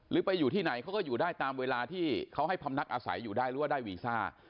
ไปอยู่ที่ไหนเขาก็อยู่ได้ตามเวลาที่เขาให้พำนักอาศัยอยู่ได้หรือว่าได้วีซ่า